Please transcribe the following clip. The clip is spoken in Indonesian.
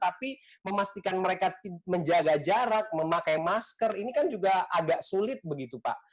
tapi memastikan mereka menjaga jarak memakai masker ini kan juga agak sulit begitu pak